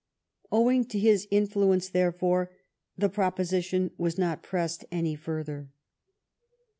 Owing to his influence, therefore, the proposition was not pressed any further.